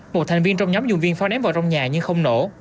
một thành viên trong nhóm dùng viên pháo ném vào trong nhà nhưng không nổ